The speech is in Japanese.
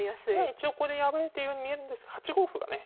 一応ここで破れているように見えるんですが８五歩がね